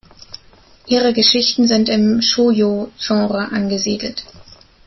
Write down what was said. Ihre Geschichten sind im Shōjo-Genre angesiedelt.